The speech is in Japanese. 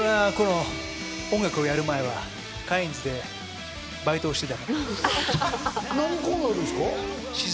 音楽をやる前はカインズでバイトをしてたから。